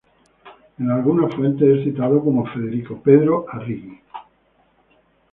En algunas fuentes es citado como Federico Pedro Arrighi.